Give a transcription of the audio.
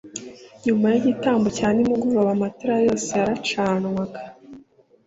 Nyuma y'igitambo cya nimugoroba amatara yose yaracanwaga